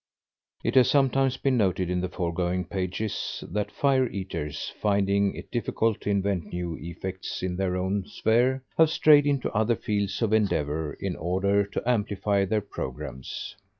It has sometimes been noted in the foregoing pages, that fire eaters, finding it difficult to invent new effects in their own sphere, have strayed into other fields of endeavor in order to amplify their programmes.